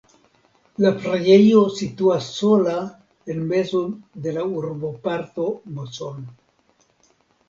La preĝejo situas sola en mezo de la urboparto Moson.